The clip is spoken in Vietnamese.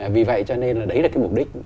vì vậy cho nên là đấy là cái mục đích